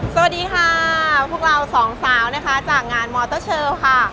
สวัสดีค่ะพวกเราสองสาวนะคะจากงานมอเตอร์เชลค่ะ